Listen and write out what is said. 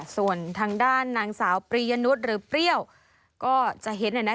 ส่วนทางด้านนางสาวปรียนุษย์หรือเปรี้ยวก็จะเห็น